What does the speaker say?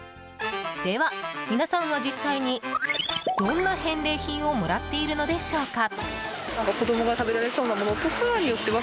では皆さんは実際にどんな返礼品をもらっているのでしょうか？